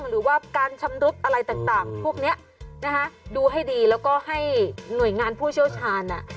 หรือว่าการชำรุดอะไรต่างพวกนี้นะคะดูให้ดีแล้วก็ให้หน่วยงานผู้เชี่ยวชาญ